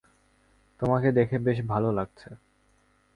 তোমাকে দেখে বেশ ভালো লাগছে।